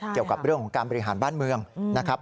เกี่ยวกับเรื่องของการบริหารบ้านเมืองนะครับ